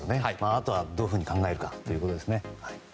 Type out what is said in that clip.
あとどういうふうに考えるかということですね。